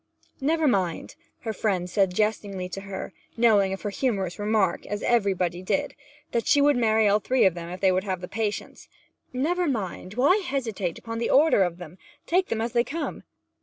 'Never mind,' her friends said jestingly to her (knowing of her humorous remark, as everybody did, that she would marry them all three if they would have patience) 'never mind; why hesitate upon the order of them? Take 'em as they come.'